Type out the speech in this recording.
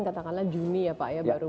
katakanlah juni ya pak ya baru